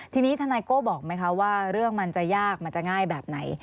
ทีนี้ทนายโก้บอกไหมคะว่าเรื่องมันจะยากมันจะง่ายแบบไหน